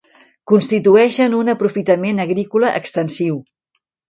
Constitueixen un aprofitament agrícola extensiu.